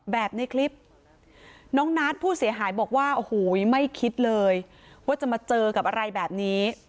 ในคลิปน้องนัทผู้เสียหายบอกว่าโอ้โหไม่คิดเลยว่าจะมาเจอกับอะไรแบบนี้